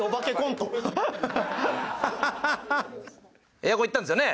エアコンいったんですよね。